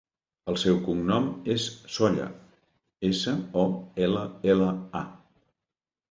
El seu cognom és Solla: essa, o, ela, ela, a.